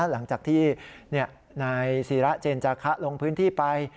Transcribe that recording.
หลังจากที่นายศิระเจนจาคะลงพื้นที่ไป